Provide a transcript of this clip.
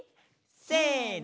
せの。